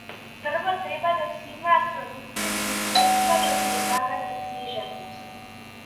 Прво треба да се имаат продукциски средства за создавање книжевност.